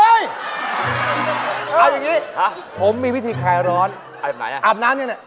เอาอย่างนี้ผมมีวิธีคลายร้อนอาบน้ำอย่างไรนะ